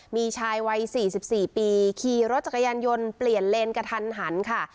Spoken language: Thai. มีชายวัย๔๔ปีขี่รถจักรยานยนต์เปลี่ยนเลนกระทันหันค่ะ